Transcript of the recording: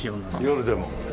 夜でも。